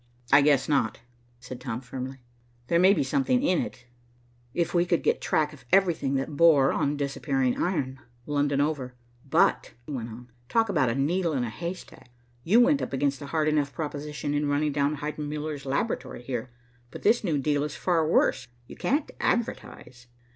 "I guess not," said Tom firmly. "There may be something in this, if we could get track of everything that bore on disappearing iron, London over; but," he went on, "talk about a needle in a hay stack. You went up against a hard enough proposition in running down Heidenmuller's laboratory here, but this new deal is far worse. You can't advertise."